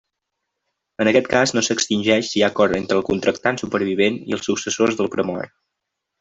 En aquest cas no s'extingeix si hi ha acord entre el contractant supervivent i els successors del premort.